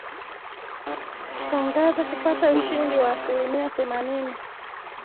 tangaza kupata ushindi wa asilimia themanini